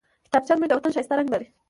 کتابچه زموږ د وطن ښايسته رنګ لري